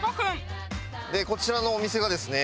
こちらのお店がですね